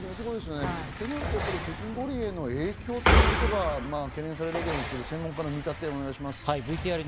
北京五輪への影響ということが懸念されるわけですけど専門家の見立てを見ましょう。